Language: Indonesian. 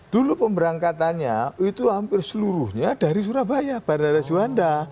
dulu pemberangkatannya itu hampir seluruhnya dari surabaya bandara juanda